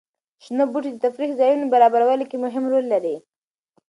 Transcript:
شنه بوټي د تفریح ځایونو برابرولو کې مهم رول لري.